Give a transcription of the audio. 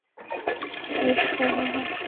বিস্ফোরন ঘটানোর উপায় তো সর্বদা থাকে।